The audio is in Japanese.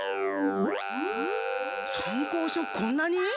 参考書こんなに？